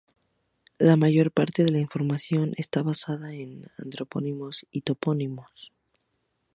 La mayor parte de la información está basada en antropónimos y topónimos.